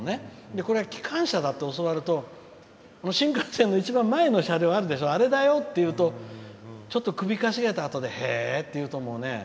これ、機関車だって教わると新幹線の一番前の車両あるでしょあれだよって言うとちょっと首をかしげたあとで「へ！」って言うと思うね。